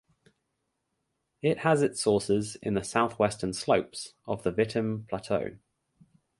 It has its sources in the southwestern slopes of the Vitim Plateau.